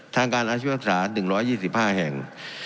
ทางการอาชีพภาคศาสตร์๑๒๕แห่ง